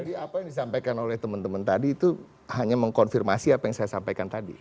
jadi apa yang disampaikan oleh teman teman tadi itu hanya mengkonfirmasi apa yang saya sampaikan tadi